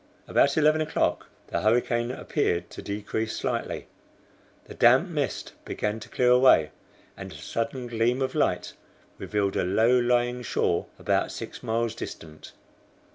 About eleven o'clock, the hurricane appeared to decrease slightly. The damp mist began to clear away, and a sudden gleam of light revealed a low lying shore about six miles distant.